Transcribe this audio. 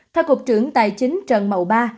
theo cục trưởng tài chính trần mậu ba